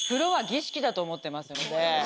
だと思ってますので。